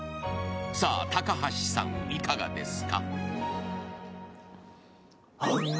高橋さん、いかがですか？